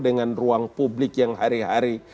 dengan ruang publik yang hari hari